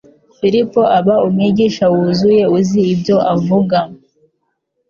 Filipo aba umwigisha wuzuye uzi ibyo avuga,